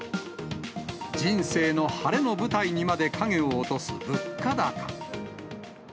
人生の晴れの舞台にまで影を落とす物価高。